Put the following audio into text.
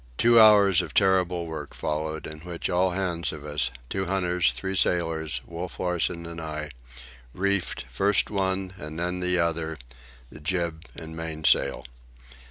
Two hours of terrible work followed, in which all hands of us—two hunters, three sailors, Wolf Larsen and I—reefed, first one and then the other, the jib and mainsail.